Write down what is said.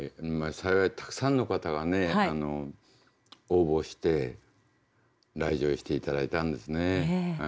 幸いたくさんの方がね応募して来場して頂いたんですね。